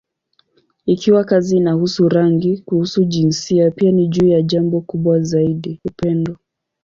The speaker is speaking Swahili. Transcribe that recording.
Ikiwa kazi inahusu rangi, kuhusu jinsia, pia ni juu ya jambo kubwa zaidi: upendo.